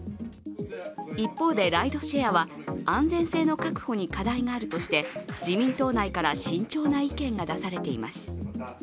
一方で、ライドシェアは安全性の確保に課題があるとして自民党内から慎重な意見が出されています。